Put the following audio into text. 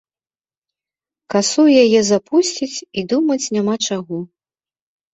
Касу ў яе запусціць і думаць няма чаго.